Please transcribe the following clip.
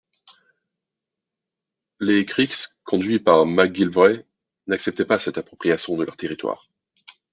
Les Creeks conduits par McGillivray n'acceptent pas cette appropriation de leur territoire.